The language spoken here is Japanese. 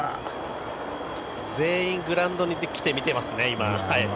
全員、グラウンドに来て見ていますね。